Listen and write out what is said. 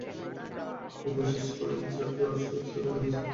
আল্লাহ কিভাবে সৃষ্টি করেছেন সাত স্তরে বিন্যস্ত আকাশমণ্ডলী?